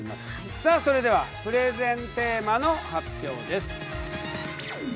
さあそれではプレゼンテーマの発表です。